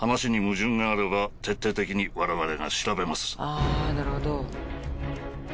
あなるほど。